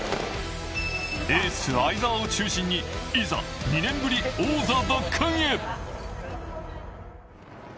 エース相澤を中心にいざ、２年ぶり王座奪還へ。